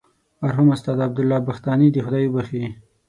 مرحوم استاد عبدالله بختانی دې خدای وبخښي.